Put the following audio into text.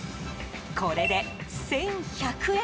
これで１１００円。